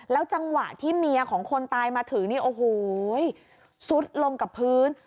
แล้วจังหวะที่เมียของคนตายมาถึงสุดลงกับพื้น